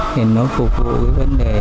thì nó phục vụ cái vấn đề